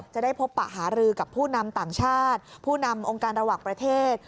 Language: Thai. จะได้พบปะหารือกับผู้นำต่างชาติผู้นำองค์การระหว่างประเทศ